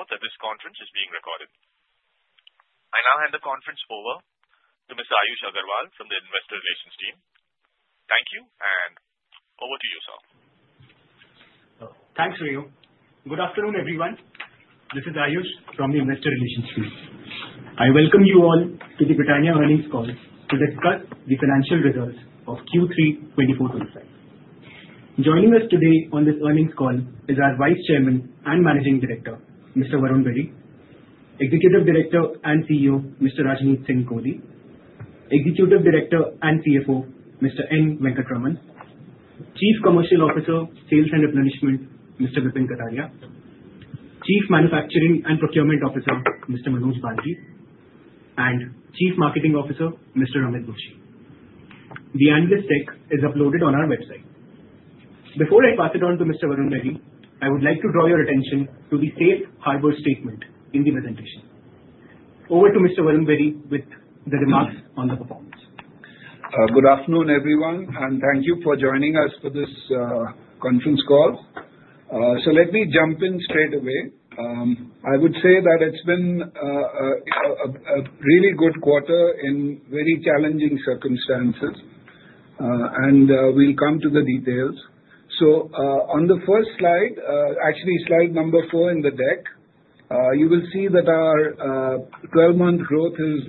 Please note that this conference is being recorded. I now hand the conference over to Mr. Ayush Agarwal from the Investor Relations team. Thank you, and over to you, sir. Thanks, Rayo. Good afternoon, everyone. This is Ayush from the Investor Relations team. I welcome you all to the Britannia earnings call to discuss the financial results of Q3 2024-2025. Joining us today on this earnings call is our Vice Chairman and Managing Director, Mr. Varun Berry, Executive Director and CEO, Mr. Rajneet Singh Kohli, Executive Director and CFO, Mr. N. Venkataraman, Chief Commercial Officer, Sales and Replenishment, Mr. Vipin Kataria, Chief Manufacturing and Procurement Officer, Mr. Manoj Balgi, and Chief Marketing Officer, Mr. Amit Doshi. The analyst deck is uploaded on our website. Before I pass it on to Mr. Varun Berry, I would like to draw your attention to the safe harbor statement in the presentation. Over to Mr. Varun Berry with the remarks on the performance. Good afternoon, everyone, and thank you for joining us for this conference call, so let me jump in straight away. I would say that it's been a really good quarter in very challenging circumstances, and we'll come to the details, so on the first slide, actually slide number four in the deck, you will see that our 12-month growth is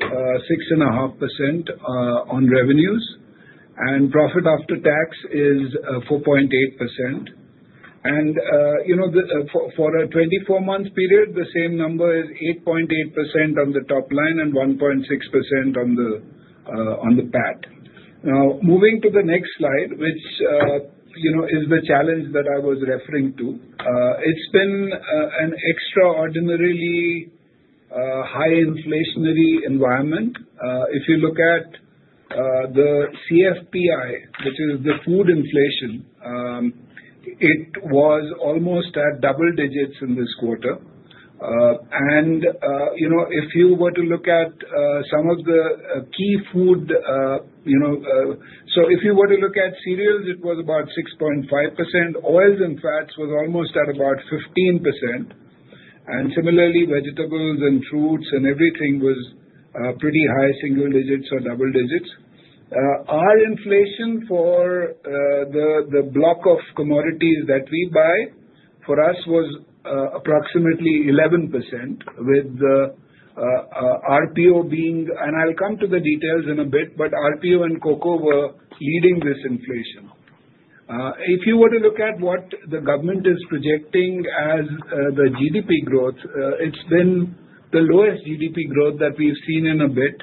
6.5% on revenues, and profit after tax is 4.8%, and for a 24-month period, the same number is 8.8% on the top line and 1.6% on the PAT. Now, moving to the next slide, which is the challenge that I was referring to, it's been an extraordinarily high inflationary environment. If you look at the CFPI, which is the food inflation, it was almost at double digits in this quarter. If you were to look at some of the key food, so if you were to look at cereals, it was about 6.5%. Oils and fats were almost at about 15%. And similarly, vegetables and fruits and everything was pretty high single digits or double digits. Our inflation for the block of commodities that we buy, for us, was approximately 11%, with the RPO being, and I'll come to the details in a bit, but RPO and Cocoa were leading this inflation. If you were to look at what the government is projecting as the GDP growth, it's been the lowest GDP growth that we've seen in a bit.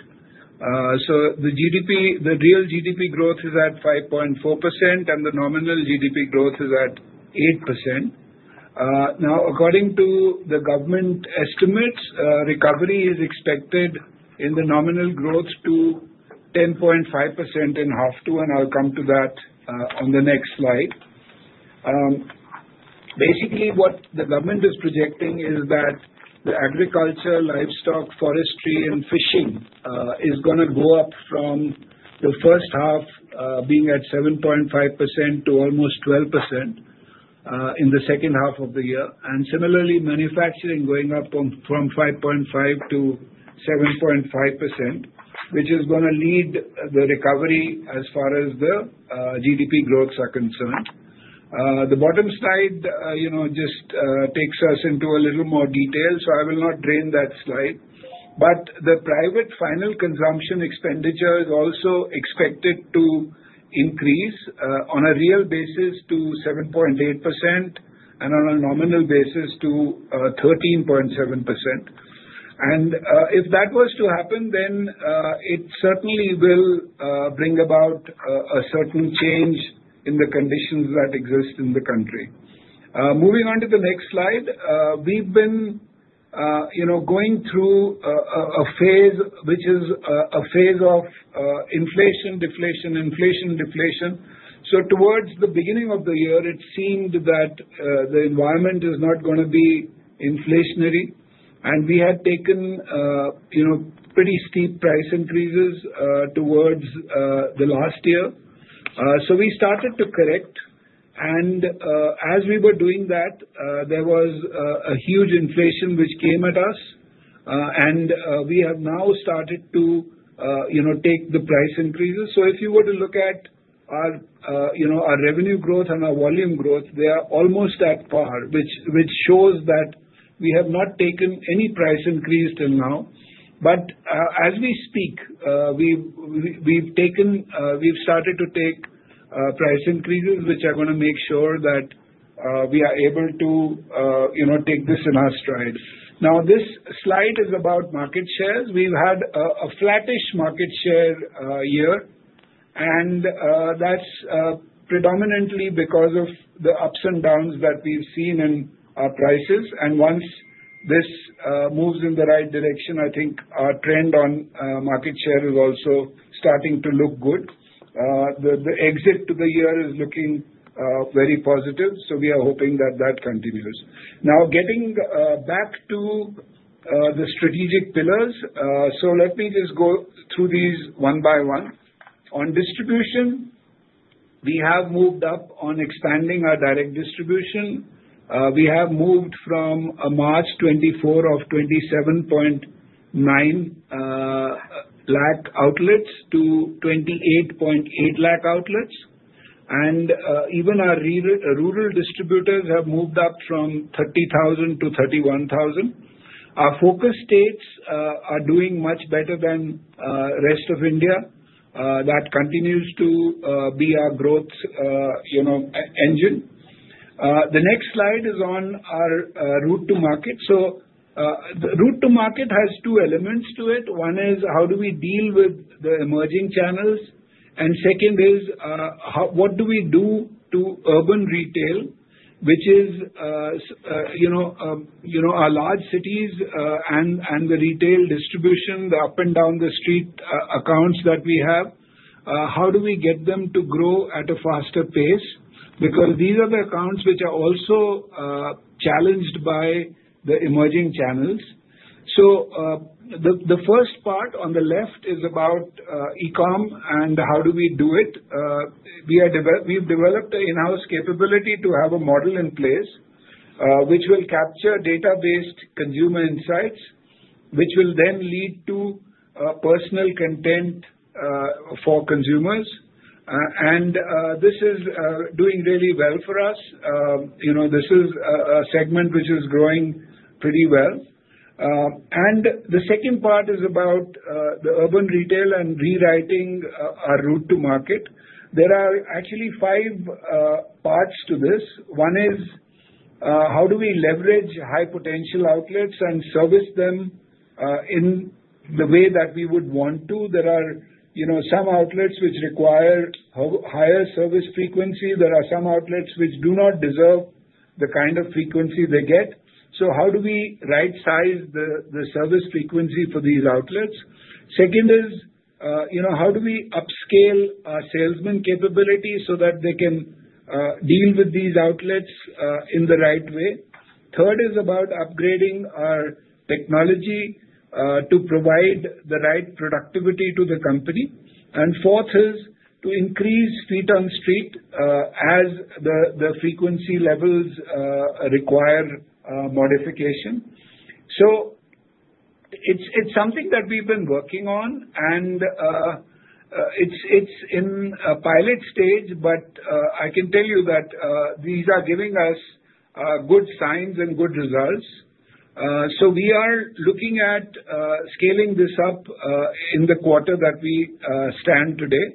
The real GDP growth is at 5.4%, and the nominal GDP growth is at 8%. Now, according to the government estimates, recovery is expected in the nominal growth to 10.5% in H2, and I'll come to that on the next slide. Basically, what the government is projecting is that the agriculture, livestock, forestry, and fishing is going to go up from the first half being at 7.5% to almost 12% in the second half of the year. And similarly, manufacturing going up from 5.5% to 7.5%, which is going to lead the recovery as far as the GDP growths are concerned. The bottom slide just takes us into a little more detail, so I will not dwell on that slide. But the private final consumption expenditure is also expected to increase on a real basis to 7.8% and on a nominal basis to 13.7%. And if that was to happen, then it certainly will bring about a certain change in the conditions that exist in the country. Moving on to the next slide, we've been going through a phase which is a phase of inflation, deflation, inflation, deflation. So towards the beginning of the year, it seemed that the environment is not going to be inflationary, and we had taken pretty steep price increases towards the last year. So we started to correct, and as we were doing that, there was a huge inflation which came at us, and we have now started to take the price increases. So if you were to look at our revenue growth and our volume growth, they are almost at par, which shows that we have not taken any price increase till now. But as we speak, we've started to take price increases which are going to make sure that we are able to take this in our strides. Now, this slide is about market shares. We've had a flattish market share year, and that's predominantly because of the ups and downs that we've seen in our prices. And once this moves in the right direction, I think our trend on market share is also starting to look good. The exit to the year is looking very positive, so we are hoping that that continues. Now, getting back to the strategic pillars, so let me just go through these one by one. On distribution, we have moved up on expanding our direct distribution. We have moved from March 2024 of 27.9 lakh outlets to 28.8 lakh outlets. And even our rural distributors have moved up from 30,000 to 31,000. Our focus states are doing much better than the rest of India. That continues to be our growth engine. The next slide is on our route to market. So the route to market has two elements to it. One is how do we deal with the emerging channels, and second is what do we do to urban retail, which is our large cities and the retail distribution, the up and down the street accounts that we have. How do we get them to grow at a faster pace? Because these are the accounts which are also challenged by the emerging channels. So the first part on the left is about e-com and how do we do it. We've developed an in-house capability to have a model in place which will capture data-based consumer insights, which will then lead to personal content for consumers. This is doing really well for us. This is a segment which is growing pretty well. The second part is about the urban retail and rewriting our route to market. There are actually five parts to this. One is how do we leverage high potential outlets and service them in the way that we would want to. There are some outlets which require higher service frequency. There are some outlets which do not deserve the kind of frequency they get. So how do we right-size the service frequency for these outlets? Second is how do we upscale our salesman capability so that they can deal with these outlets in the right way? Third is about upgrading our technology to provide the right productivity to the company. Fourth is to increase feet on street as the frequency levels require modification. So it's something that we've been working on, and it's in a pilot stage, but I can tell you that these are giving us good signs and good results. So we are looking at scaling this up in the quarter that we stand today.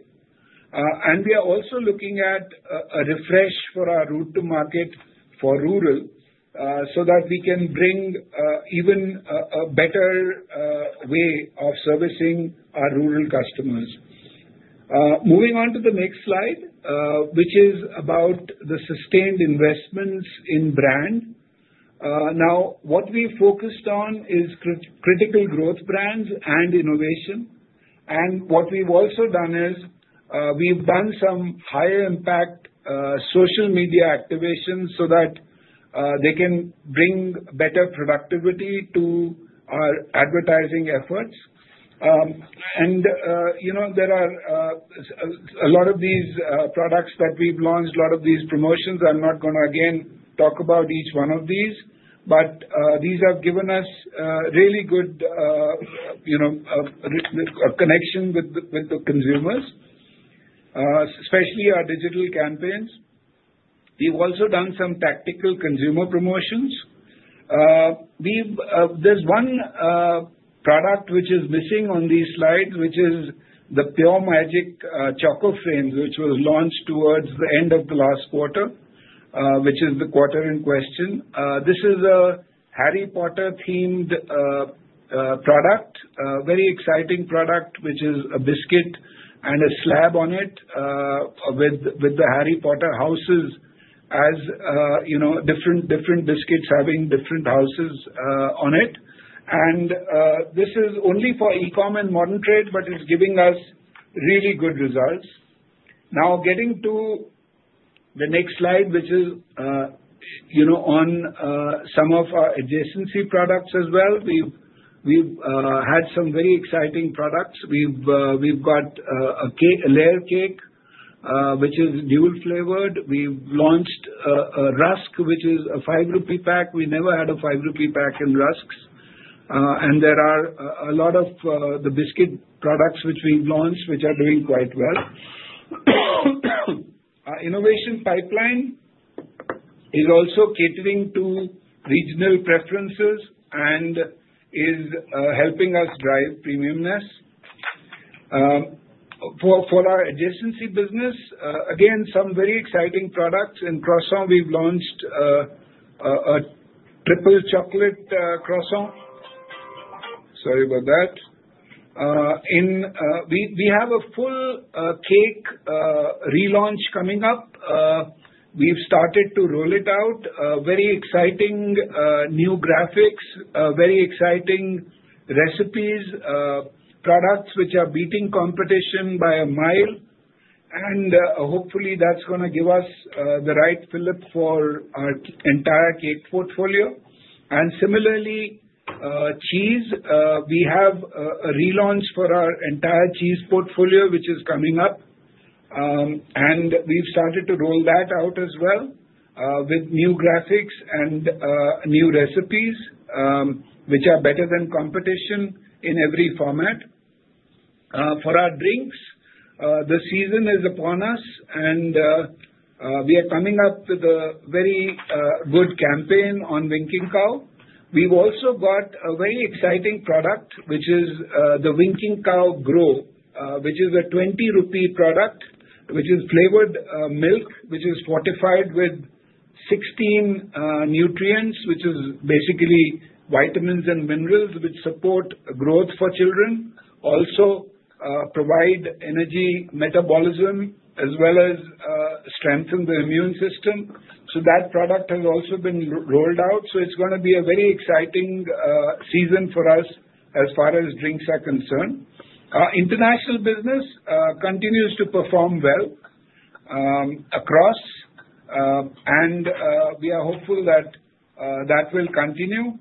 And we are also looking at a refresh for our route to market for rural so that we can bring even a better way of servicing our rural customers. Moving on to the next slide, which is about the sustained investments in brand. Now, what we focused on is critical growth brands and innovation. And what we've also done is we've done some higher impact social media activation so that they can bring better productivity to our advertising efforts. And there are a lot of these products that we've launched, a lot of these promotions. I'm not going to, again, talk about each one of these, but these have given us really good connection with the consumers, especially our digital campaigns. We've also done some tactical consumer promotions. There's one product which is missing on these slides, which is the Pure Magic Choco Frames, which was launched towards the end of the last quarter, which is the quarter in question. This is a Harry Potter-themed product, a very exciting product, which is a biscuit and a slab on it with the Harry Potter houses as different biscuits having different houses on it, and this is only for e-com and modern trade, but it's giving us really good results. Now, getting to the next slide, which is on some of our adjacency products as well. We've had some very exciting products. We've got a layer cake, which is dual-flavored. We've launched a rusk, which is a 5 rupee pack. We never had a 5 rupee pack in rusks. And there are a lot of the biscuit products which we've launched which are doing quite well. Our innovation pipeline is also catering to regional preferences and is helping us drive premiumness. For our adjacency business, again, some very exciting products. In croissant, we've launched a triple chocolate croissant. Sorry about that. We have a full cake relaunch coming up. We've started to roll it out. Very exciting new graphics, very exciting recipes, products which are beating competition by a mile. And hopefully, that's going to give us the right flip for our entire cake portfolio. And similarly, cheese, we have a relaunch for our entire cheese portfolio, which is coming up. We've started to roll that out as well with new graphics and new recipes which are better than competition in every format. For our drinks, the season is upon us, and we are coming up with a very good campaign on Winking Cow. We've also got a very exciting product, which is the Winking Cow Grow, which is an 20 rupee product, which is flavored milk, which is fortified with 16 nutrients, which is basically vitamins and minerals which support growth for children, also provide energy metabolism as well as strengthen the immune system. That product has also been rolled out. It's going to be a very exciting season for us as far as drinks are concerned. International business continues to perform well across, and we are hopeful that that will continue.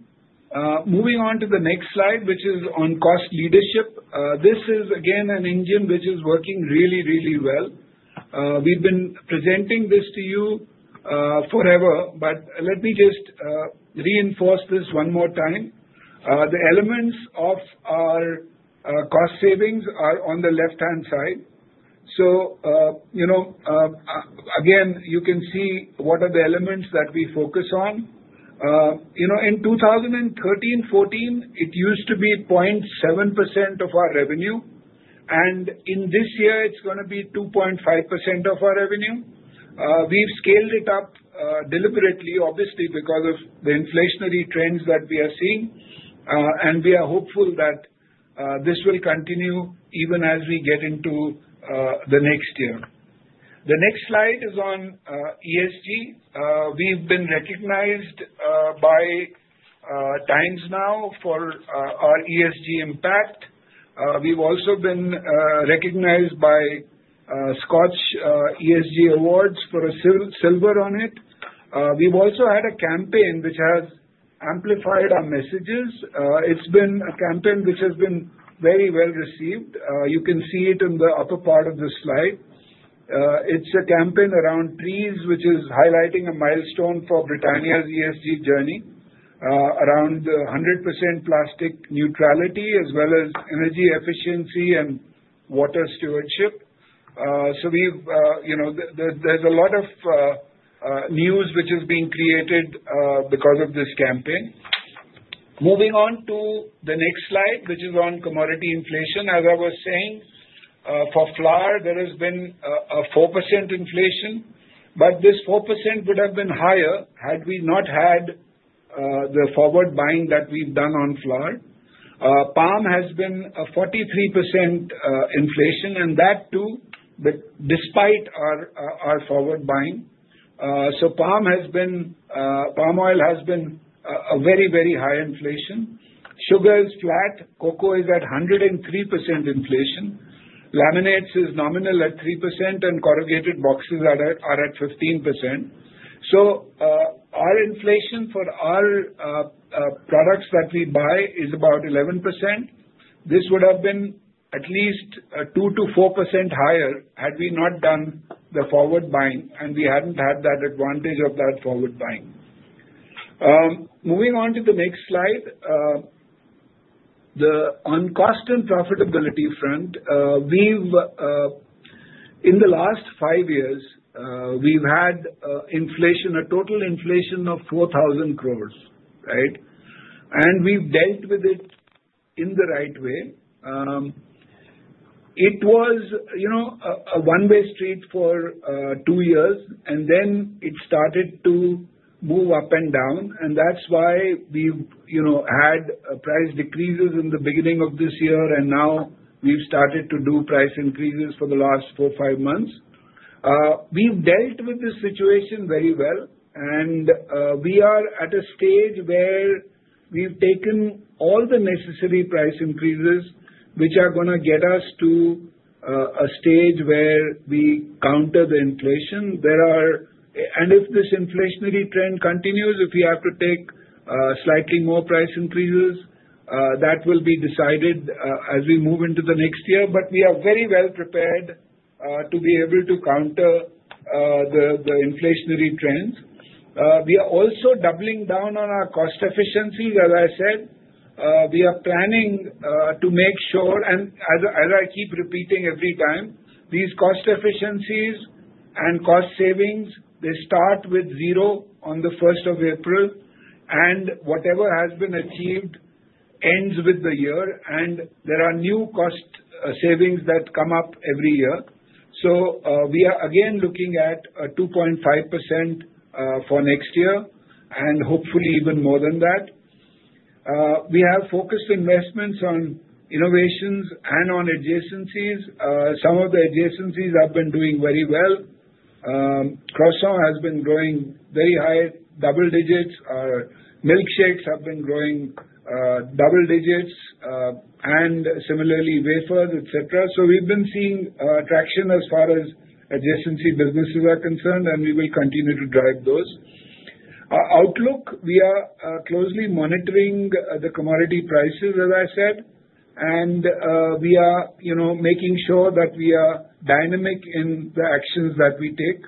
Moving on to the next slide, which is on cost leadership. This is, again, an engine which is working really, really well. We've been presenting this to you forever, but let me just reinforce this one more time. The elements of our cost savings are on the left-hand side. So again, you can see what are the elements that we focus on. In 2013, 2014, it used to be 0.7% of our revenue, and in this year, it's going to be 2.5% of our revenue. We've scaled it up deliberately, obviously, because of the inflationary trends that we are seeing, and we are hopeful that this will continue even as we get into the next year. The next slide is on ESG. We've been recognized by Times Now for our ESG impact. We've also been recognized by SKOCH ESG Awards for a silver on it. We've also had a campaign which has amplified our messages. It's been a campaign which has been very well received. You can see it in the upper part of the slide. It's a campaign around trees, which is highlighting a milestone for Britannia's ESG journey around 100% plastic neutrality as well as energy efficiency and water stewardship. So there's a lot of news which is being created because of this campaign. Moving on to the next slide, which is on commodity inflation. As I was saying, for flour, there has been a 4% inflation, but this 4% would have been higher had we not had the forward buying that we've done on flour. Palm has been a 43% inflation, and that too, despite our forward buying. So palm oil has been a very, very high inflation. Sugar is flat. Cocoa is at 103% inflation. Laminates is nominal at 3%, and corrugated boxes are at 15%. Our inflation for our products that we buy is about 11%. This would have been at least 2%-4% higher had we not done the forward buying, and we hadn't had that advantage of that forward buying. Moving on to the next slide. On cost and profitability front, in the last five years, we've had a total inflation of 4,000 crores, right? And we've dealt with it in the right way. It was a one-way street for two years, and then it started to move up and down. And that's why we've had price decreases in the beginning of this year, and now we've started to do price increases for the last four, five months. We've dealt with this situation very well, and we are at a stage where we've taken all the necessary price increases which are going to get us to a stage where we counter the inflation, and if this inflationary trend continues, if we have to take slightly more price increases, that will be decided as we move into the next year, but we are very well prepared to be able to counter the inflationary trends. We are also doubling down on our cost efficiency, as I said. We are planning to make sure, and as I keep repeating every time, these cost efficiencies and cost savings, they start with zero on the 1st of April, and whatever has been achieved ends with the year, and there are new cost savings that come up every year. So we are, again, looking at a 2.5% for next year and hopefully even more than that. We have focused investments on innovations and on adjacencies. Some of the adjacencies have been doing very well. Croissant has been growing very high double digits. Our milkshakes have been growing double digits, and similarly, wafers, etc. So we've been seeing traction as far as adjacency businesses are concerned, and we will continue to drive those. Our outlook, we are closely monitoring the commodity prices, as I said, and we are making sure that we are dynamic in the actions that we take.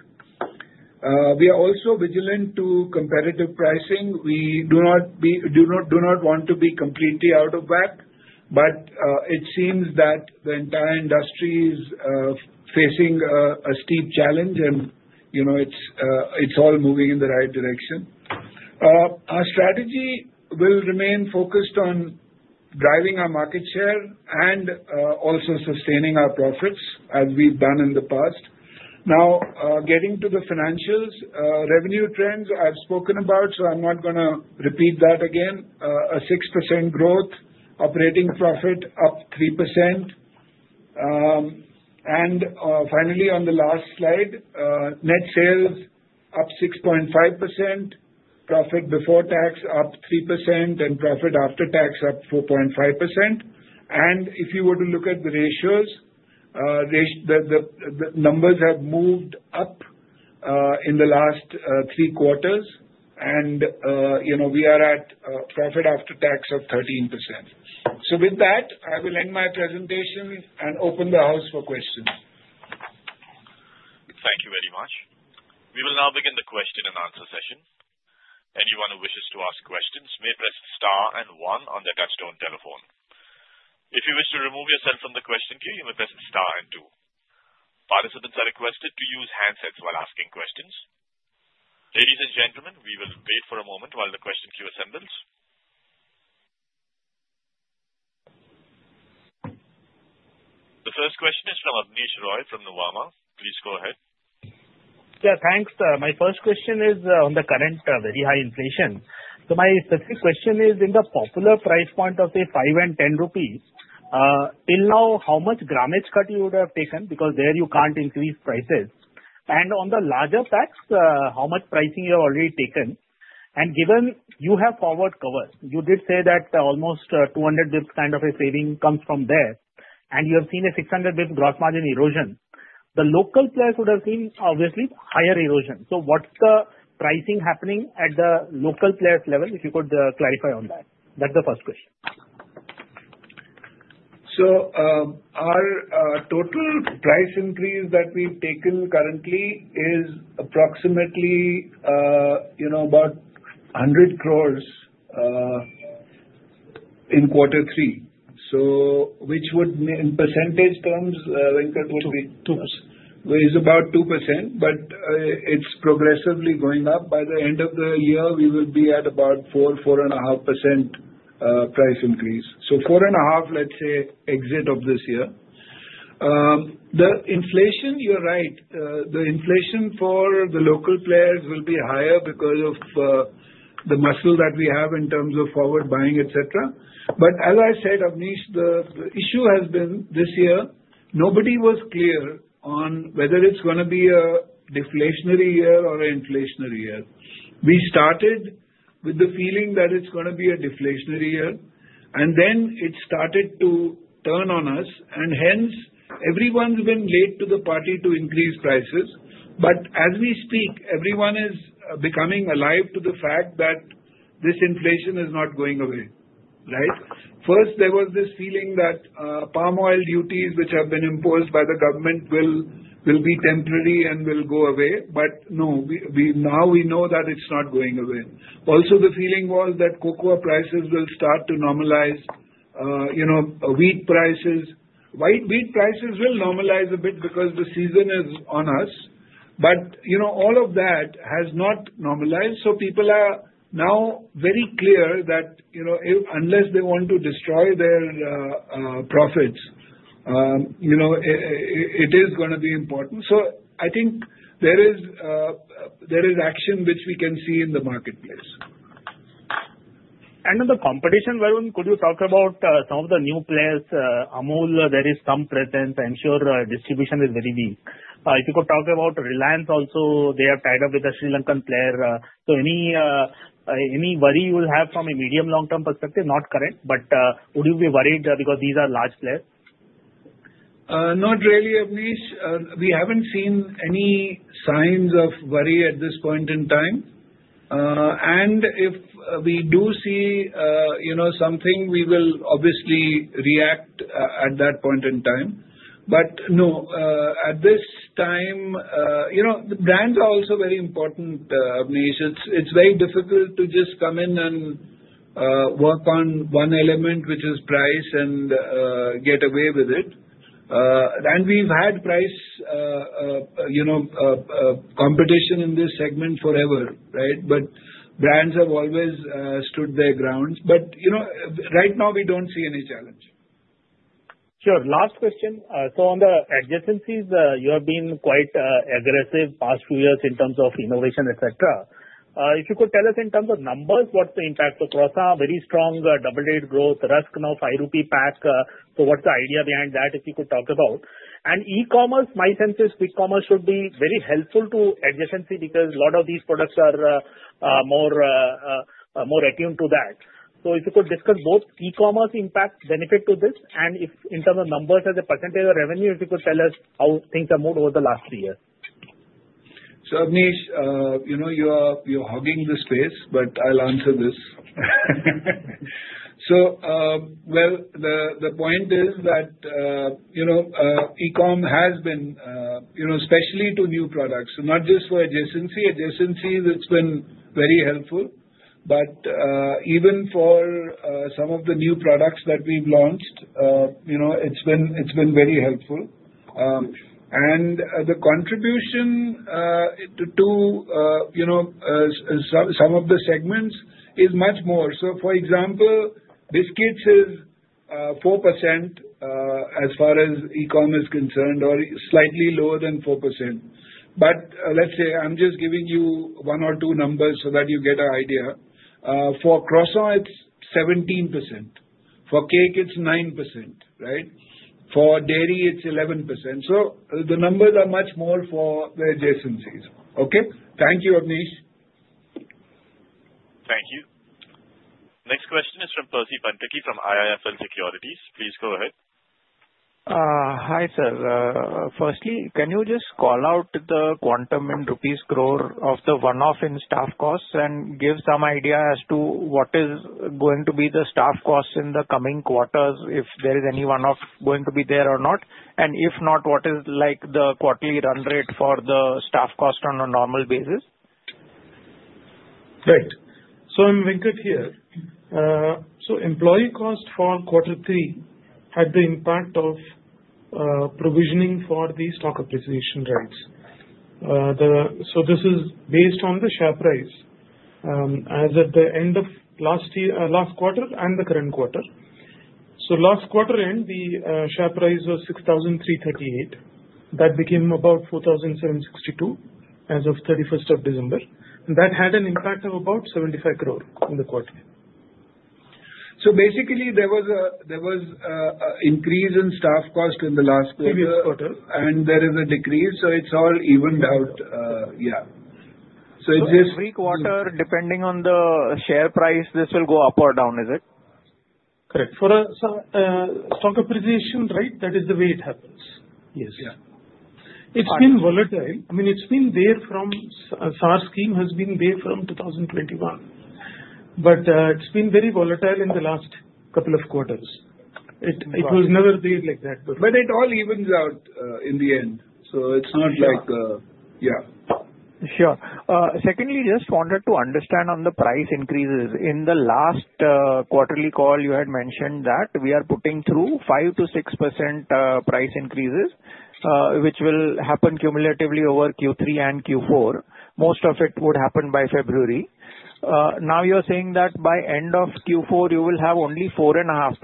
We are also vigilant to competitive pricing. We do not want to be completely out of whack, but it seems that the entire industry is facing a steep challenge, and it's all moving in the right direction. Our strategy will remain focused on driving our market share and also sustaining our profits as we've done in the past. Now, getting to the financials, revenue trends I've spoken about, so I'm not going to repeat that again. A 6% growth, operating profit up 3%. And finally, on the last slide, net sales up 6.5%, profit before tax up 3%, and profit after tax up 4.5%. And if you were to look at the ratios, the numbers have moved up in the last three quarters, and we are at profit after tax of 13%. So with that, I will end my presentation and open the house for questions. Thank you very much. We will now begin the question and answer session. Anyone who wishes to ask questions may press star and one on their touchtone telephone. If you wish to remove yourself from the question queue, you may press star and two. Participants are requested to use handsets while asking questions. Ladies and gentlemen, we will wait for a moment while the question queue assembles. The first question is from Abneesh Roy from Nuvama. Please go ahead. Yeah, thanks. My first question is on the current very high inflation. So my specific question is, in the popular price point of, say, 5 and 10 rupees, till now, how much grammage cut you would have taken because there you can't increase prices? And on the larger packs, how much pricing you have already taken? And given you have forward cover, you did say that almost 200 basis points kind of a saving comes from there, and you have seen a 600 basis points gross margin erosion. The local players would have seen, obviously, higher erosion. So what's the pricing happening at the local players level if you could clarify on that? That's the first question. Our total price increase that we've taken currently is approximately about 100 crores in quarter three, which would, in percentage terms, Venkat would be. 2%. It's about 2%, but it's progressively going up. By the end of the year, we will be at about 4%-4.5% price increase. So 4.5%, let's say, exit of this year. The inflation, you're right. The inflation for the local players will be higher because of the muscle that we have in terms of forward buying, etc. But as I said, Abneesh, the issue has been this year, nobody was clear on whether it's going to be a deflationary year or an inflationary year. We started with the feeling that it's going to be a deflationary year, and then it started to turn on us, and hence, everyone's been late to the party to increase prices. But as we speak, everyone is becoming alive to the fact that this inflation is not going away, right? First, there was this feeling that palm oil duties, which have been imposed by the government, will be temporary and will go away, but no, now we know that it's not going away. Also, the feeling was that Cocoa prices will start to normalize. Wheat prices, white wheat prices, will normalize a bit because the season is on us, but all of that has not normalized, so people are now very clear that unless they want to destroy their profits, it is going to be important, so I think there is action which we can see in the marketplace. In the competition, Varun, could you talk about some of the new players? Amul, there is some presence. I'm sure distribution is very weak. If you could talk about Reliance also, they have tied up with a Sri Lankan player. So any worry you will have from a medium-long-term perspective? Not current, but would you be worried because these are large players? Not really, Abneesh. We haven't seen any signs of worry at this point in time. And if we do see something, we will obviously react at that point in time. But no, at this time, the brands are also very important, Abneesh. It's very difficult to just come in and work on one element, which is price, and get away with it. And we've had price competition in this segment forever, right? But brands have always stood their ground. But right now, we don't see any challenge. Sure. Last question. On the adjacencies, you have been quite aggressive the past few years in terms of innovation, etc. If you could tell us in terms of numbers, what's the impact of Croissant? Very strong double-digit growth, Rusk now, 5 rupee pack. So what's the idea behind that, if you could talk about? And e-commerce, my sense is e-commerce should be very helpful to adjacency because a lot of these products are more attuned to that. If you could discuss both e-commerce impact, benefit to this, and in terms of numbers as a percentage of revenue, if you could tell us how things have moved over the last three years. So Abneesh, you're hogging the space, but I'll answer this. So well, the point is that e-com has been, especially to new products, not just for adjacency. Adjacency, it's been very helpful, but even for some of the new products that we've launched, it's been very helpful. And the contribution to some of the segments is much more. So for example, biscuits is 4% as far as e-commerce is concerned or slightly lower than 4%. But let's say I'm just giving you one or two numbers so that you get an idea. For croissant, it's 17%. For cake, it's 9%, right? For dairy, it's 11%. So the numbers are much more for the adjacencies. Okay? Thank you, Abneesh. Thank you. Next question is from Percy Panthaki from IIFL Securities. Please go ahead. Hi, sir. Firstly, can you just call out the quantum in rupees crore of the one-off in staff costs and give some idea as to what is going to be the staff costs in the coming quarters if there is any one-off going to be there or not, and if not, what is the quarterly run rate for the staff cost on a normal basis? Right. So I'm N. Venkataraman here. So employee cost for quarter three had the impact of provisioning for the stock appreciation rights. So this is based on the share price as at the end of last quarter and the current quarter. So last quarter end, the share price was 6,338. That became about 4,762 as of 31st of December. And that had an impact of about 75 crore in the quarter. So basically, there was an increase in staff cost in the last quarter, and there is a decrease, so it's all evened out. Yeah. So it's just. So every quarter, depending on the share price, this will go up or down, is it? Correct. For a stock appreciation rights, that is the way it happens. Yes. It's been volatile. I mean, it's been there from SAR scheme has been there from 2021, but it's been very volatile in the last couple of quarters. It was never there like that before. But it all evens out in the end. So it's not like, yeah. Sure. Secondly, just wanted to understand on the price increases. In the last quarterly call, you had mentioned that we are putting through 5%-6% price increases, which will happen cumulatively over Q3 and Q4. Most of it would happen by February. Now you're saying that by end of Q4, you will have only 4.5%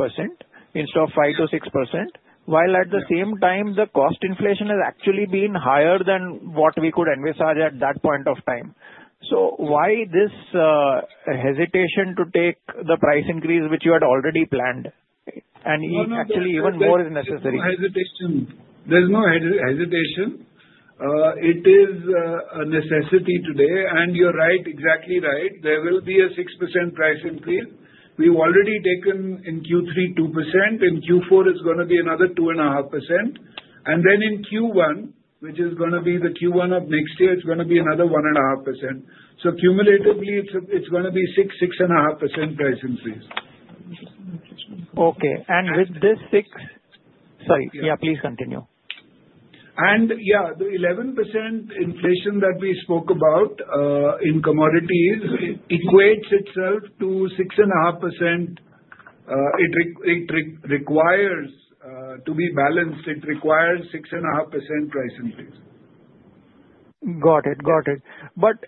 instead of 5%-6%, while at the same time, the cost inflation has actually been higher than what we could envisage at that point of time. So why this hesitation to take the price increase, which you had already planned, and actually even more is necessary? There's no hesitation. It is a necessity today. And you're right, exactly right. There will be a 6% price increase. We've already taken in Q3, 2%. In Q4, it's going to be another 2.5%. And then in Q1, which is going to be the Q1 of next year, it's going to be another 1.5%. So cumulatively, it's going to be 6%-6.5% price increase. Okay. And with this six, sorry, yeah, please continue. Yeah, the 11% inflation that we spoke about in commodities equates itself to 6.5%. It requires to be balanced. It requires 6.5% price increase. Got it. Got it. But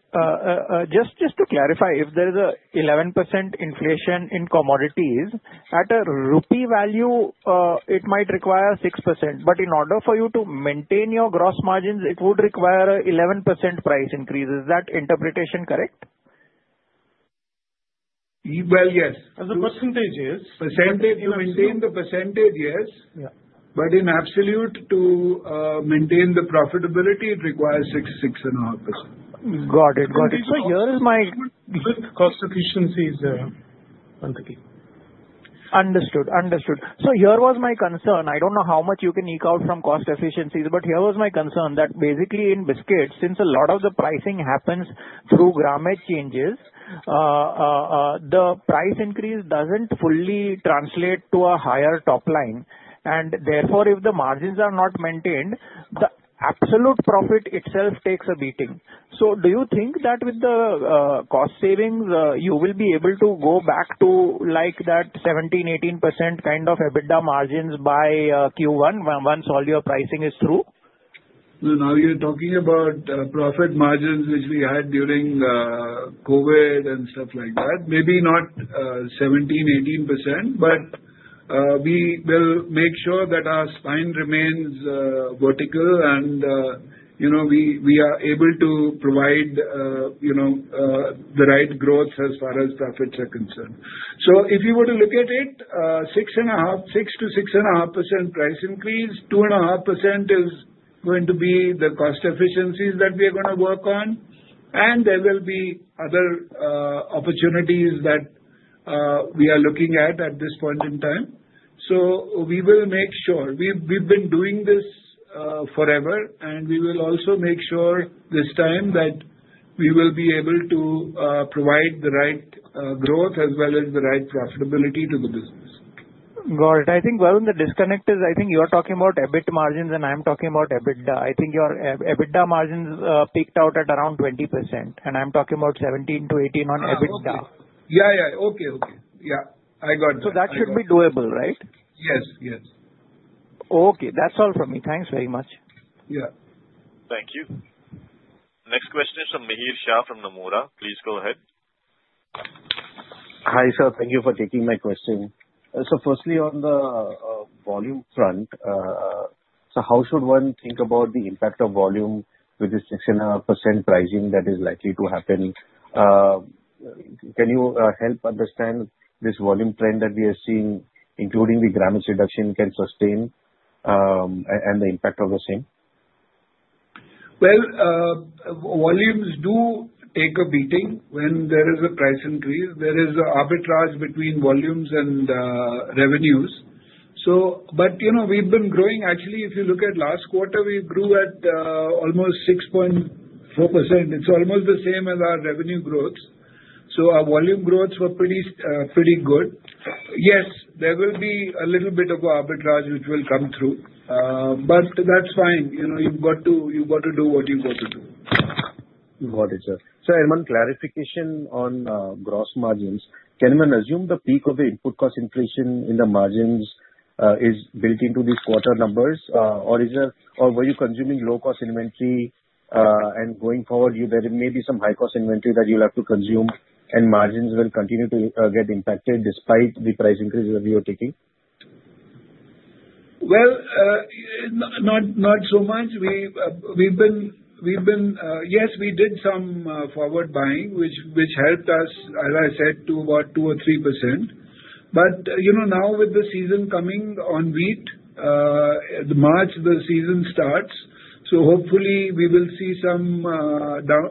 just to clarify, if there is an 11% inflation in commodities, at a rupee value, it might require 6%. But in order for you to maintain your gross margins, it would require an 11% price increase. Is that interpretation correct? Well, yes. As a percentage, yes. Maintain the percentage, yes. But in absolute, to maintain the profitability, it requires 6%-6.5%. Got it. Got it. So here is my. Cost efficiencies, yeah. Understood. Understood. So here was my concern. I don't know how much you can eke out from cost efficiencies, but here was my concern that basically in biscuits, since a lot of the pricing happens through grammage changes, the price increase doesn't fully translate to a higher top line. And therefore, if the margins are not maintained, the absolute profit itself takes a beating. So do you think that with the cost savings, you will be able to go back to that 17%-18% kind of EBITDA margins by Q1 once all your pricing is through? Now you're talking about profit margins which we had during COVID and stuff like that. Maybe not 17%-18%, but we will make sure that our spine remains vertical and we are able to provide the right growth as far as profits are concerned. So if you were to look at it, 6%-6.5% price increase, 2.5% is going to be the cost efficiencies that we are going to work on. And there will be other opportunities that we are looking at at this point in time. So we will make sure. We've been doing this forever, and we will also make sure this time that we will be able to provide the right growth as well as the right profitability to the business. Got it. I think, Varun, the disconnect is I think you're talking about EBIT margins and I'm talking about EBITDA. I think your EBITDA margins peaked out at around 20%, and I'm talking about 17%-18% on EBITDA. Yeah, yeah. Okay, okay. Yeah. I got it. So that should be doable, right? Yes, yes. Okay. That's all from me. Thanks very much. Yeah. Thank you. Next question is from Mihir Shah from Nomura. Please go ahead. Hi sir. Thank you for taking my question. So firstly, on the volume front, so how should one think about the impact of volume with this 6.5% pricing that is likely to happen? Can you help understand this volume trend that we are seeing, including the grammage reduction can sustain and the impact of the same? Volumes do take a beating when there is a price increase. There is arbitrage between volumes and revenues. But we've been growing. Actually, if you look at last quarter, we grew at almost 6.4%. It's almost the same as our revenue growth. So our volume growths were pretty good. Yes, there will be a little bit of arbitrage which will come through, but that's fine. You've got to do what you've got to do. Got it, sir. So I want clarification on gross margins. Can one assume the peak of the input cost inflation in the margins is built into these quarter numbers, or were you consuming low-cost inventory, and going forward, there may be some high-cost inventory that you'll have to consume, and margins will continue to get impacted despite the price increases that you are taking? Not so much. We've been yes, we did some forward buying, which helped us, as I said, to about 2%-3%. But now with the season coming on wheat, March, the season starts, so hopefully we will see some better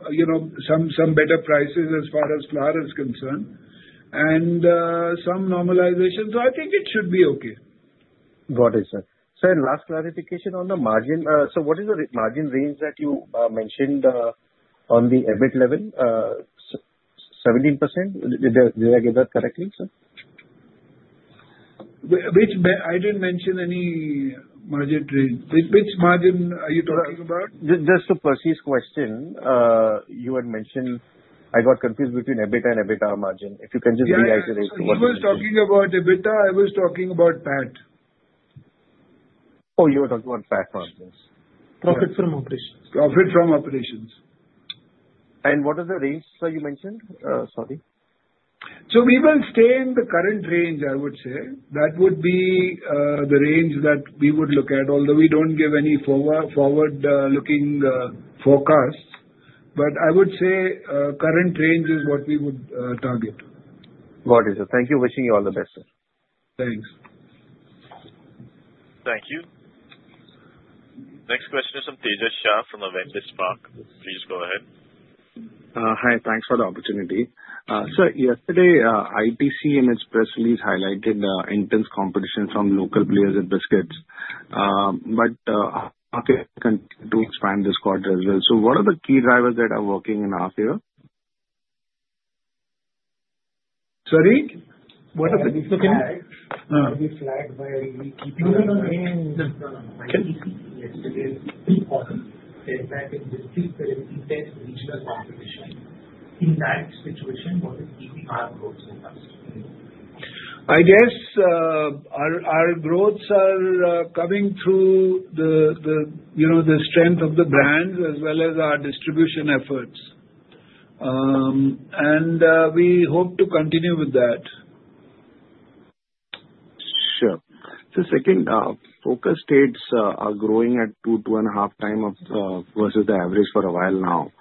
prices as far as flour is concerned and some normalization. So I think it should be okay. Got it, sir. So last clarification on the margin. So what is the margin range that you mentioned on the EBIT level? 17%? Did I get that correctly, sir? I didn't mention any margin range. Which margin are you talking about? Just to Percy's question, you had mentioned I got confused between EBITDA and EBITDA margin. If you can just reiterate what you mean. I wasn't talking about EBITDA. I was talking about PAT. Oh, you were talking about PAT margins. Profit from operations. Profit from operations. What is the range, sir, you mentioned? Sorry. So we will stay in the current range, I would say. That would be the range that we would look at, although we don't give any forward-looking forecasts. But I would say current range is what we would target. Got it, sir. Thank you. Wishing you all the best, sir. Thanks. Thank you. Next question is from Tejas Shah from Avendus Spark. Please go ahead. Hi. Thanks for the opportunity. Sir, yesterday, ITC and its press release highlighted intense competition from local players at biscuits, but our market continued to expand this quarter as well, so what are the key drivers that are working in our field? Sorry? What are the key drivers? I guess our growths are coming through the strength of the brands as well as our distribution efforts. And we hope to continue with that. Sure. So second, focus states are growing at two, 2.5 times versus the average for a while now.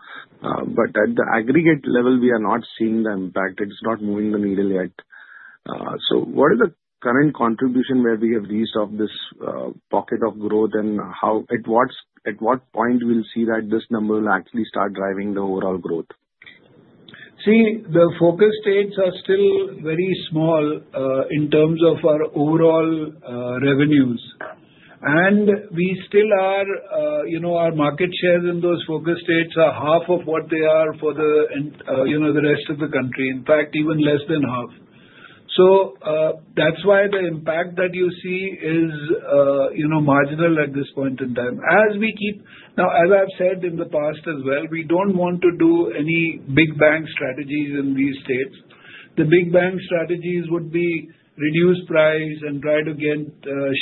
But at the aggregate level, we are not seeing the impact. It's not moving the needle yet. So what is the current contribution that we have reached of this pocket of growth, and at what point we'll see that this number will actually start driving the overall growth? See, the focus states are still very small in terms of our overall revenues. And we still are our market shares in those focus states are half of what they are for the rest of the country. In fact, even less than half. So that's why the impact that you see is marginal at this point in time. As we keep now, as I've said in the past as well, we don't want to do any big bang strategies in these states. The big bang strategies would be reduce price and try to get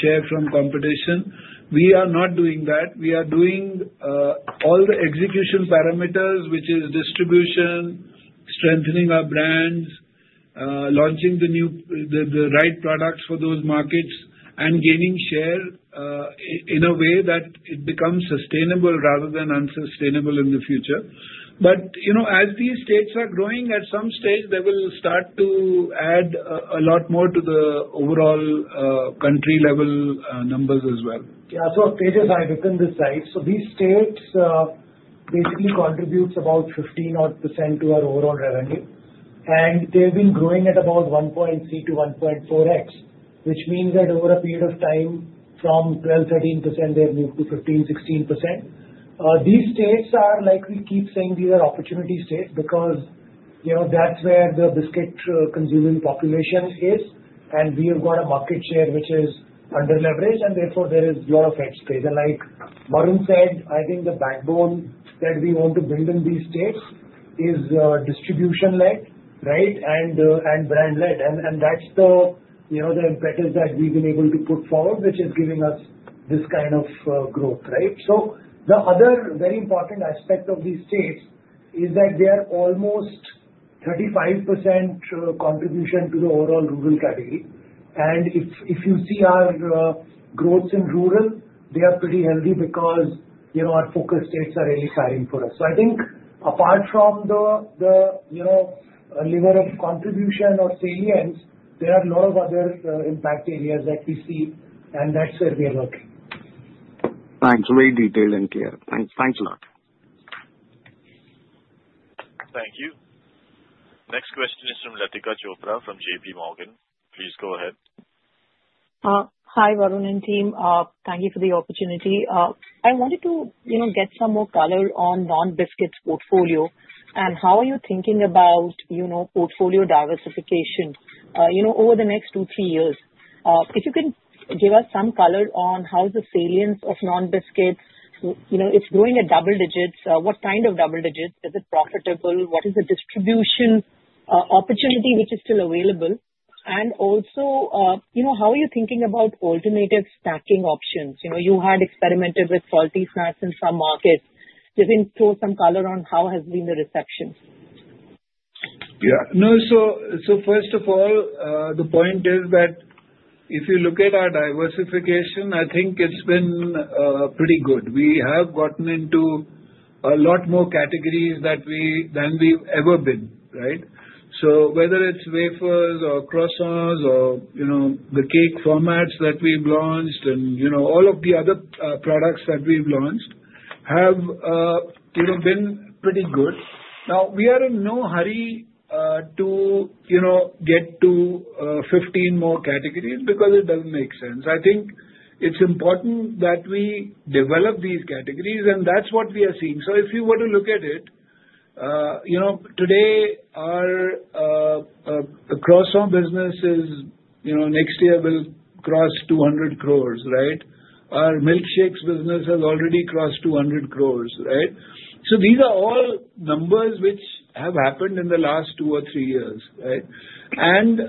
share from competition. We are not doing that. We are doing all the execution parameters, which is distribution, strengthening our brands, launching the right products for those markets, and gaining share in a way that it becomes sustainable rather than unsustainable in the future. But as these states are growing, at some stage, they will start to add a lot more to the overall country-level numbers as well. Yeah. So Tejas, I'll open this side. So these states basically contribute about 15% to our overall revenue. And they've been growing at about 1.3x-1.4x, which means that over a period of time from 12%-13%, they have moved to 15%-16%. These states are like we keep saying these are opportunity states because that's where the biscuit consuming population is, and we have got a market share which is under-leveraged, and therefore there is a lot of headspace. And like Varun said, I think the backbone that we want to build in these states is distribution-led, right, and brand-led. And that's the impetus that we've been able to put forward, which is giving us this kind of growth, right? So the other very important aspect of these states is that they are almost 35% contribution to the overall rural category. And if you see our growths in rural, they are pretty healthy because our focus states are really firing for us. So I think apart from the level of contribution or salience, there are a lot of other impact areas that we see, and that's where we are working. Thanks. Very detailed and clear. Thanks a lot. Thank you. Next question is from Latika Chopra from J.P. Morgan. Please go ahead. Hi, Varun and team. Thank you for the opportunity. I wanted to get some more color on non-biscuits portfolio and how are you thinking about portfolio diversification over the next two, three years? If you can give us some color on how the salience of non-biscuits, it's growing at double digits, what kind of double digits? Is it profitable? What is the distribution opportunity which is still available, and also, how are you thinking about alternative snacking options? You had experimented with salty snacks in some markets. Just throw some color on how has been the reception. Yeah. No. So first of all, the point is that if you look at our diversification, I think it's been pretty good. We have gotten into a lot more categories than we've ever been, right? So whether it's wafers or croissants or the cake formats that we've launched and all of the other products that we've launched have been pretty good. Now, we are in no hurry to get to 15 more categories because it doesn't make sense. I think it's important that we develop these categories, and that's what we are seeing. So if you were to look at it, today, our croissant business next year will cross 200 crores, right? Our milkshakes business has already crossed 200 crores, right? So these are all numbers which have happened in the last two or three years, right, and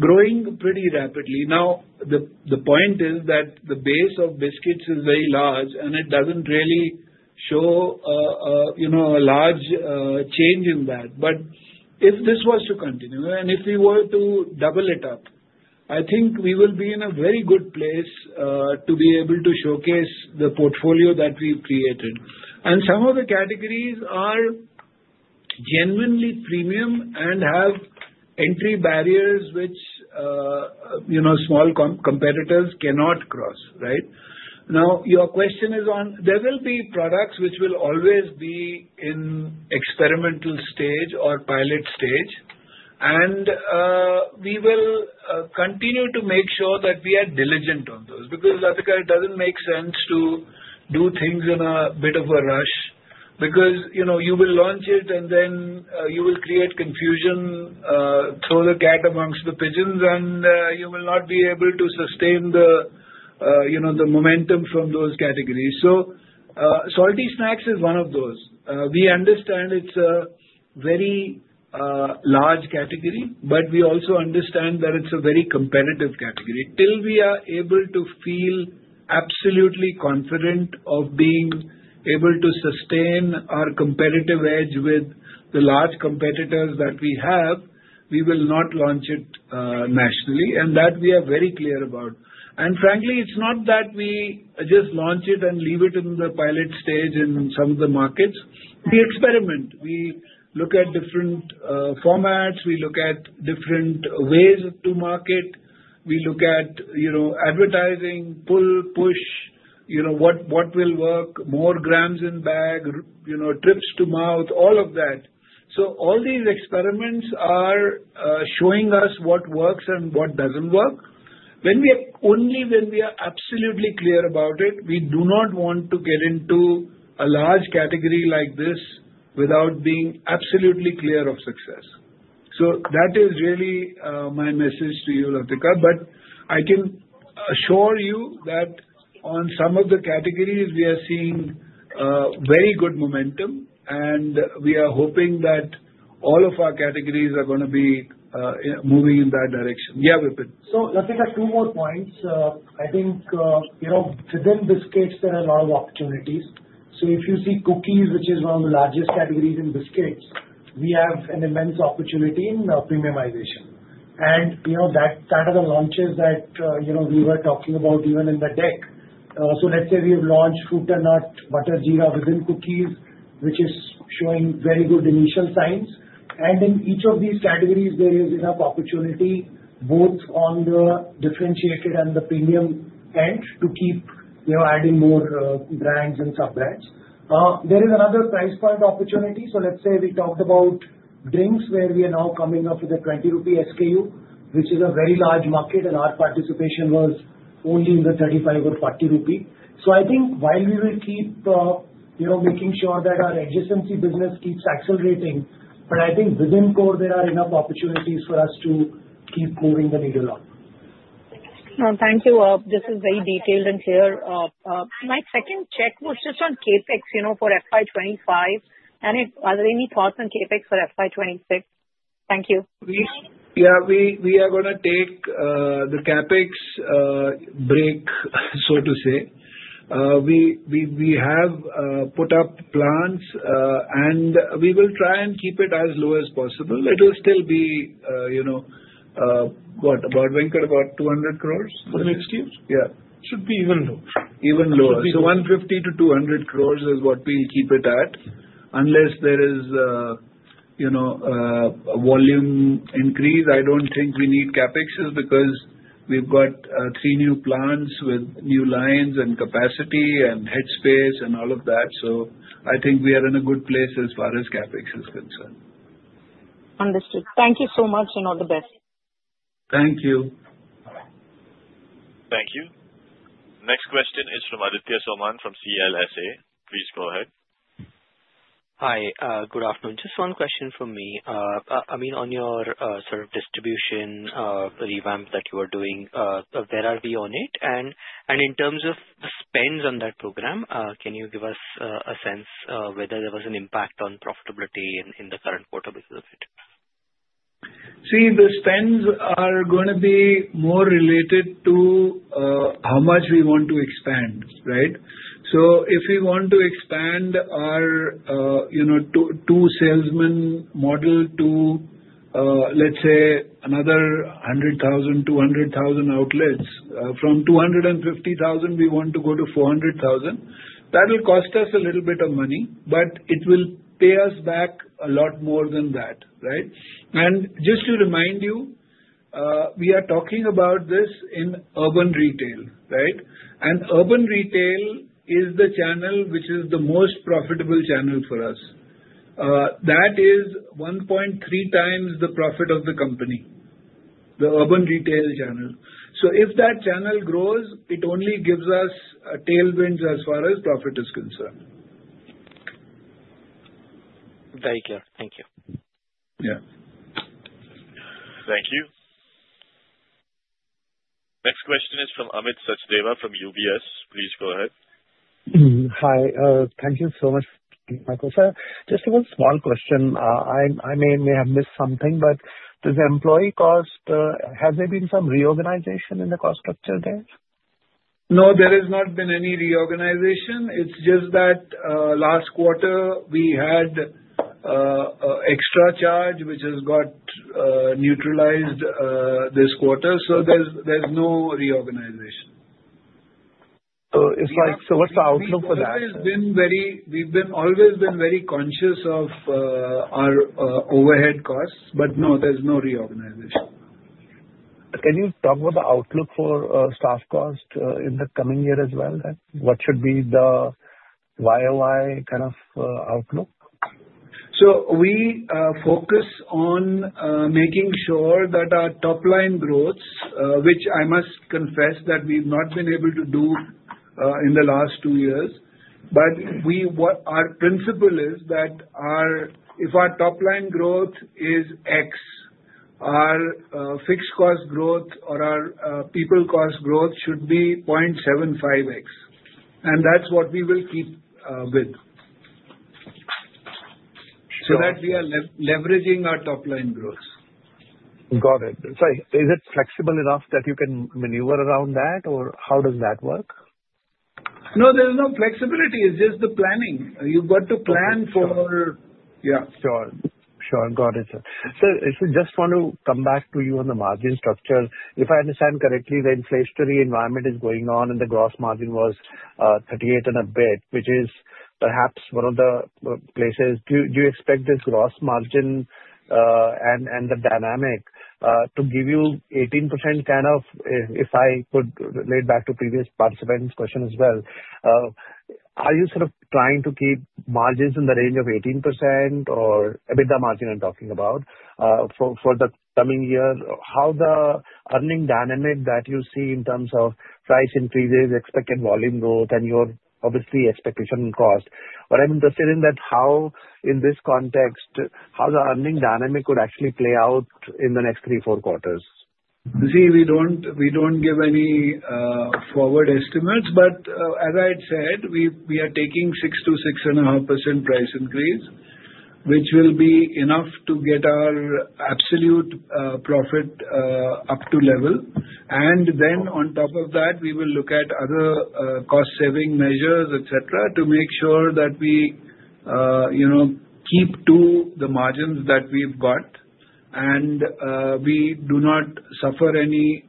growing pretty rapidly. Now, the point is that the base of biscuits is very large, and it doesn't really show a large change in that, but if this was to continue and if we were to double it up, I think we will be in a very good place to be able to showcase the portfolio that we've created, and some of the categories are genuinely premium and have entry barriers which small competitors cannot cross, right? Now, your question is on there will be products which will always be in experimental stage or pilot stage, and we will continue to make sure that we are diligent on those because Latika it doesn't make sense to do things in a bit of a rush because you will launch it, and then you will create confusion, throw the cat amongst the pigeons, and you will not be able to sustain the momentum from those categories. So salty snacks is one of those. We understand it's a very large category, but we also understand that it's a very competitive category. Till we are able to feel absolutely confident of being able to sustain our competitive edge with the large competitors that we have, we will not launch it nationally, and that we are very clear about. And frankly, it's not that we just launch it and leave it in the pilot stage in some of the markets. We experiment. We look at different formats. We look at different ways to market. We look at advertising, pull, push, what will work, more grams in bag, trips to mouth, all of that. So all these experiments are showing us what works and what doesn't work. Only when we are absolutely clear about it, we do not want to get into a large category like this without being absolutely clear of success. So that is really my message to you, Latika. But I can assure you that on some of the categories, we are seeing very good momentum, and we are hoping that all of our categories are going to be moving in that direction. Yeah, Vipin. So Latika, two more points. I think within biscuits, there are a lot of opportunities. So if you see cookies, which is one of the largest categories in biscuits, we have an immense opportunity in premiumization. And that are the launches that we were talking about even in the deck. So let's say we have launched fruit and nut, butter, jeera within cookies, which is showing very good initial signs. And in each of these categories, there is enough opportunity both on the differentiated and the premium end to keep adding more brands and sub-brands. There is another price point opportunity. So let's say we talked about drinks where we are now coming up with an 20 rupee SKU, which is a very large market, and our participation was only in the 35 or 40 rupee. So I think while we will keep making sure that our adjacency business keeps accelerating, but I think within core, there are enough opportunities for us to keep moving the needle up. Thank you. This is very detailed and clear. My second check was just on CapEx for FY25, and are there any thoughts on CapEx for FY26? Thank you. Yeah. We are going to take the CapEx break, so to say. We have put up plans, and we will try and keep it as low as possible. It will still be what? About Venkat, about 200 crores? For the next year? Yeah. Should be even lower. Even lower, so 150 crores- 200 crores is what we'll keep it at unless there is a volume increase. I don't think we need CapEx because we've got three new plants with new lines and capacity and headspace and all of that, so I think we are in a good place as far as CapEx is concerned. Understood. Thank you so much and all the best. Thank you. Thank you. Next question is from Aditya Soman from CLSA. Please go ahead. Hi. Good afternoon. Just one question from me. I mean, on your sort of distribution revamp that you are doing, where are we on it? And in terms of the spends on that program, can you give us a sense whether there was an impact on profitability in the current quarter because of it? See, the spends are going to be more related to how much we want to expand, right? So if we want to expand our two salesman model to, let's say, another 100,000, 200,000 outlets, from 250,000, we want to go to 400,000. That will cost us a little bit of money, but it will pay us back a lot more than that, right? And just to remind you, we are talking about this in urban retail, right? And urban retail is the channel which is the most profitable channel for us. That is 1.3 times the profit of the company, the urban retail channel. So if that channel grows, it only gives us tailwinds as far as profit is concerned. Very clear. Thank you. Yeah. Thank you. Next question is from Amit Sachdeva from UBS. Please go ahead. Hi. Thank you so much, My question, sir. Just one small question. I may have missed something, but does the employee cost, has there been some reorganization in the cost structure there? No, there has not been any reorganization. It's just that last quarter, we had extra charge, which has got neutralized this quarter. So there's no reorganization. So what's the outlook for that? We've always been very conscious of our overhead costs, but no, there's no reorganization. Can you talk about the outlook for staff cost in the coming year as well? What should be the YoY kind of outlook? So we focus on making sure that our top-line growth, which I must confess that we've not been able to do in the last two years, but our principle is that if our top-line growth is X, our fixed cost growth or our people cost growth should be 0.75X. And that's what we will keep with so that we are leveraging our top-line growth. Got it. Sorry. Is it flexible enough that you can maneuver around that, or how does that work? No, there is no flexibility. It's just the planning. You've got to plan for. Sure. Sure. Got it. So I just want to come back to you on the margin structure. If I understand correctly, the inflationary environment is going on, and the gross margin was 38 and a bit, which is perhaps one of the places. Do you expect this gross margin and the dynamic to give you 18% kind of? If I could relate back to previous participants' question as well, are you sort of trying to keep margins in the range of 18% or a bit of margin I'm talking about for the coming year? How the earning dynamic that you see in terms of price increases, expected volume growth, and your obviously expectation cost? What I'm interested in that how in this context, how the earning dynamic would actually play out in the next three, four quarters? See, we don't give any forward estimates, but as I had said, we are taking 6%-6.5% price increase, which will be enough to get our absolute profit up to level. And then on top of that, we will look at other cost-saving measures, etc., to make sure that we keep to the margins that we've got and we do not suffer any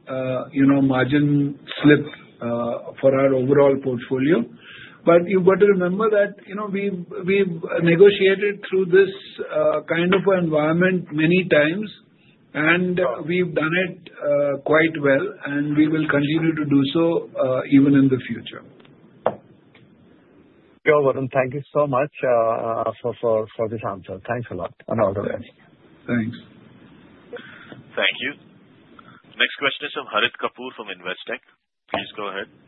margin slip for our overall portfolio. But you've got to remember that we've negotiated through this kind of environment many times, and we've done it quite well, and we will continue to do so even in the future. You're welcome. Thank you so much for this answer. Thanks a lot. And all the best. Thanks. Thank you. Next question is from Harit Kapoor from Investec. Please go ahead.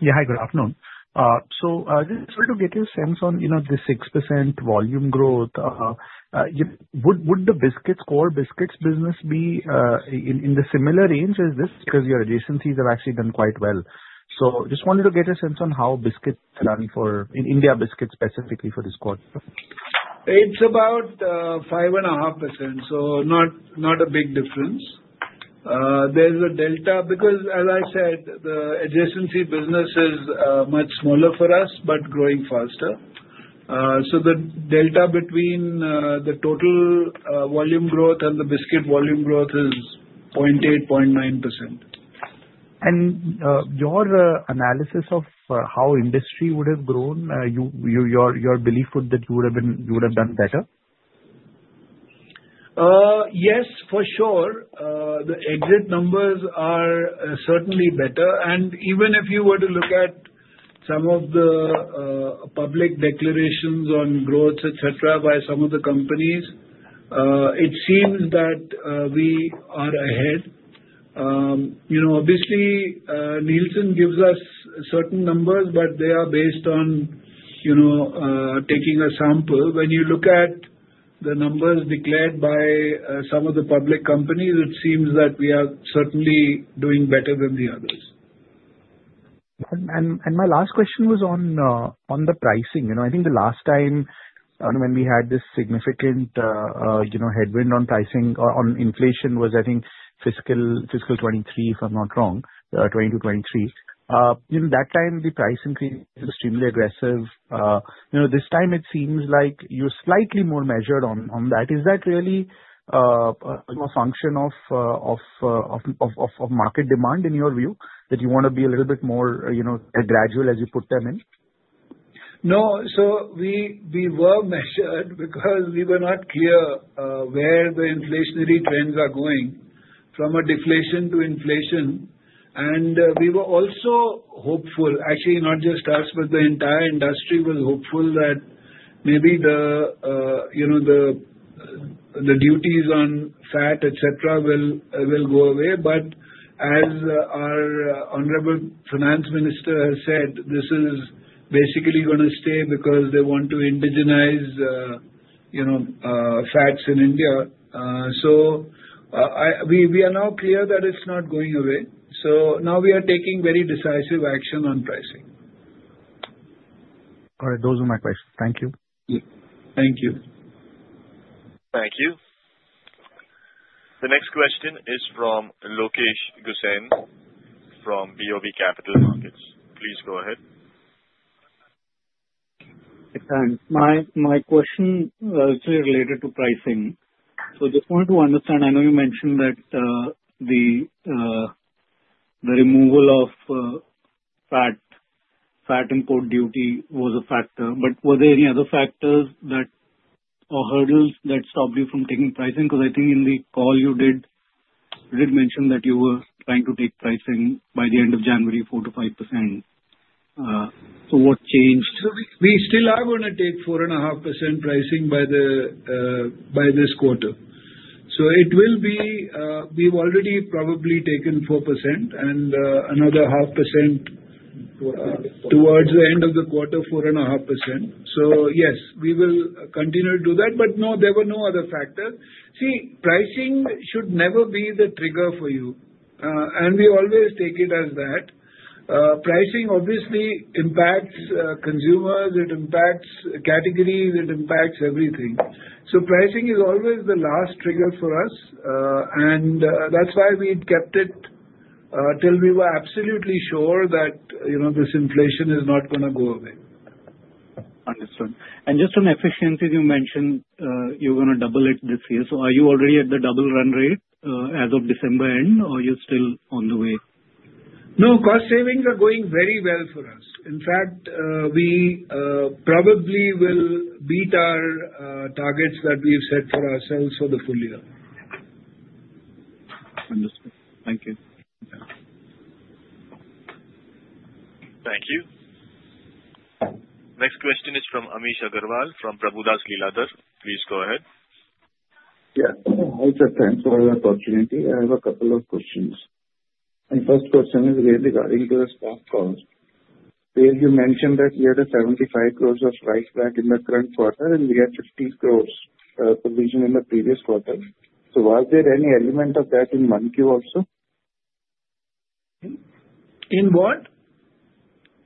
Yeah. Hi. Good afternoon. So I just wanted to get your sense on the 6% volume growth. Would the biscuits, core biscuits business be in the similar range as this because your adjacencies have actually done quite well? So just wanted to get a sense on how biscuits run for in India biscuits specifically for this quarter. It's about 5.5%, so not a big difference. There's a delta because, as I said, the adjacency business is much smaller for us but growing faster. So the delta between the total volume growth and the biscuit volume growth is 0.8%-0.9%. And your analysis of how industry would have grown, your belief would that you would have done better? Yes, for sure. The exit numbers are certainly better. And even if you were to look at some of the public declarations on growth, etc., by some of the companies, it seems that we are ahead. Obviously, Nielsen gives us certain numbers, but they are based on taking a sample. When you look at the numbers declared by some of the public companies, it seems that we are certainly doing better than the others. And my last question was on the pricing. I think the last time when we had this significant headwind on pricing or on inflation was, I think, fiscal 2023, if I'm not wrong, 2022, 2023. That time, the price increase was extremely aggressive. This time, it seems like you're slightly more measured on that. Is that really a function of market demand in your view, that you want to be a little bit more gradual as you put them in? No. So we were measured because we were not clear where the inflationary trends are going from a deflation to inflation. And we were also hopeful. Actually, not just us, but the entire industry was hopeful that maybe the duties on fat, etc., will go away. But as our honorable finance minister has said, this is basically going to stay because they want to indigenize fats in India. So we are now clear that it's not going away. So now we are taking very decisive action on pricing. All right. Those are my questions. Thank you. Thank you. Thank you. The next question is from Lokesh Gusain from BOB Capital Markets. Please go ahead. My question is actually related to pricing. So I just wanted to understand. I know you mentioned that the removal of fat and crude duty was a factor, but were there any other factors or hurdles that stopped you from taking pricing? Because I think in the call you did mention that you were trying to take pricing by the end of January, 4%-5%. So what changed? So we still are going to take 4.5% pricing by this quarter. So it will be, we've already probably taken 4% and another 0.5% towards the end of the quarter, 4.5%. So yes, we will continue to do that. But no, there were no other factors. See, pricing should never be the trigger for you. And we always take it as that. Pricing obviously impacts consumers. It impacts categories. It impacts everything. So pricing is always the last trigger for us. And that's why we kept it till we were absolutely sure that this inflation is not going to go away. Understood, and just on efficiency, you mentioned you're going to double it this year, so are you already at the double run rate as of December end, or are you still on the way? No. Cost savings are going very well for us. In fact, we probably will beat our targets that we've set for ourselves for the full year. Understood. Thank you. Thank you. Next question is from Amnish Aggarwal from Prabhudas Lilladher. Please go ahead. Yeah. I'll just answer the opportunity. I have a couple of questions. My first question is really regarding the staff cost. You mentioned that you had a 75 crores write back in the current quarter, and we had 50 crores provision in the previous quarter. So was there any element of that in Q1 also? In what?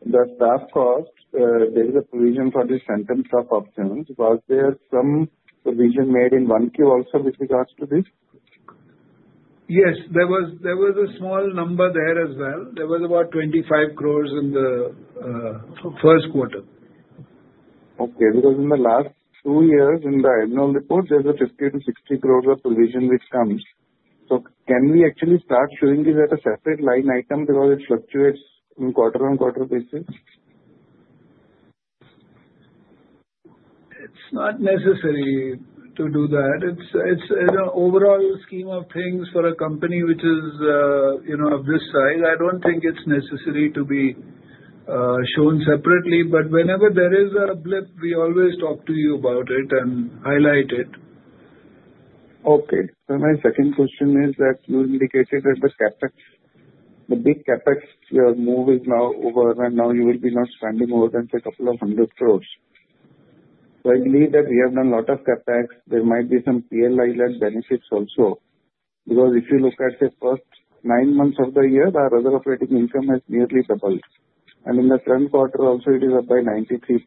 The staff cost, there is a provision for the settlement of options. Was there some provision made in 1Q also with regards to this? Yes. There was a small number there as well. There was about 25 crores in the first quarter. Okay. Because in the last two years in the annual report, there's 50 crore to 60 crore of provision which comes. So can we actually start showing this at a separate line item because it fluctuates on quarter-on-quarter basis? It's not necessary to do that. It's an overall scheme of things for a company which is of this size. I don't think it's necessary to be shown separately. But whenever there is a blip, we always talk to you about it and highlight it. Okay. So my second question is that you indicated that the big CapEx, your move is now over, and now you will be not spending more than a couple of hundred crores. So I believe that we have done a lot of CapEx. There might be some PLI-like benefits also because if you look at the first nine months of the year, our other operating income has nearly doubled. And in the current quarter also, it is up by 93%.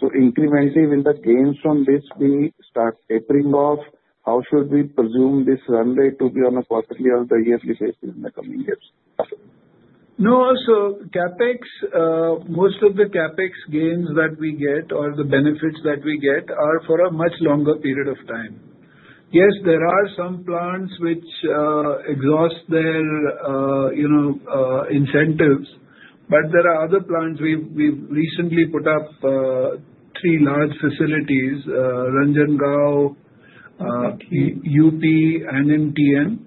So incrementally with the gains from this, we start tapering off. How should we presume this run rate to be on a quarterly or the yearly basis in the coming years? No. So most of the CapEx gains that we get or the benefits that we get are for a much longer period of time. Yes, there are some plants which exhaust their incentives, but there are other plants. We've recently put up three large facilities: Ranjangaon, UP, and one,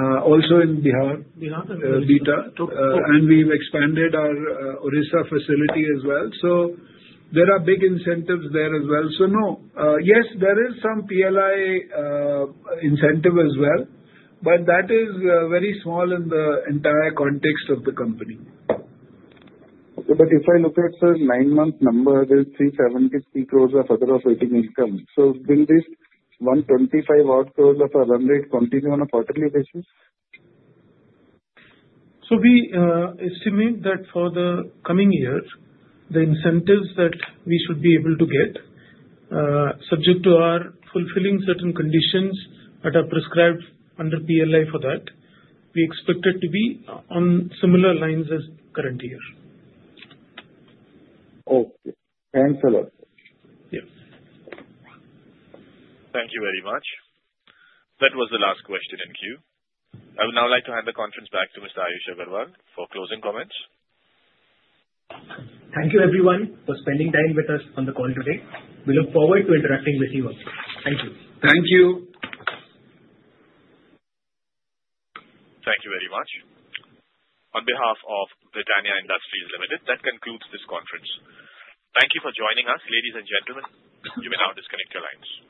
also in Bihar. Bihar? Bihta. And we've expanded our Odisha facility as well. So there are big incentives there as well. So no. Yes, there is some PLI incentive as well, but that is very small in the entire context of the company. But if I look at the nine-month number, there's 373 crores of other operating income. So will this 125-odd crores of a run rate continue on a quarterly basis? So we estimate that for the coming year, the incentives that we should be able to get, subject to our fulfilling certain conditions that are prescribed under PLI for that, we expect it to be on similar lines as current year. Okay. Thanks a lot. Yeah. Thank you very much. That was the last question in queue. I would now like to hand the conference back to Mr. Ayush Agarwal for closing comments. Thank you, everyone, for spending time with us on the call today. We look forward to interacting with you all. Thank you. Thank you. Thank you very much. On behalf of Britannia Industries Limited, that concludes this conference. Thank you for joining us, ladies and gentlemen. You may now disconnect your lines.